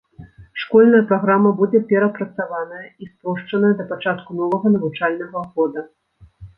Школьная праграма будзе перапрацаваная і спрошчаная да пачатку новага навучальнага года.